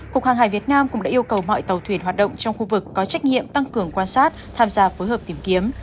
cục hàng hải việt nam cũng đã yêu cầu mọi tàu thuyền hoạt động trong khu vực có trách nhiệm tăng cường quan sát tham gia phối hợp tìm kiếm